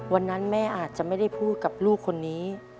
วันนั้นแม่อาจจะไม่ได้พูดกับลูกคนนี้